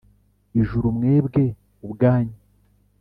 Ijuru mwebwe ubwanyu